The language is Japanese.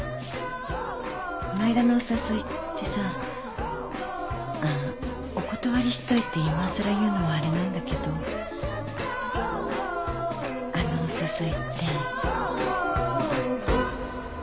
こないだのお誘いってさお断りしといていまさら言うのもあれなんだけどあのお誘いって。